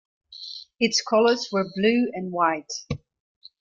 Its colours were blue and white.